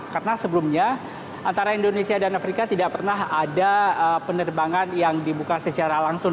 karena sebelumnya antara indonesia dan afrika tidak pernah ada penerbangan yang dibuka secara langsung